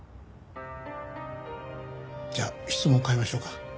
じゃあ質問を変えましょうか。